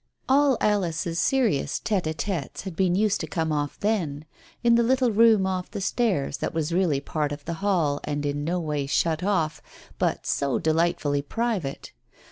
All Alice's serious tete h tetes had been used to come off then, in the little room off the stairs, that was really part of the hall and in no way shut off, but so delightfully private.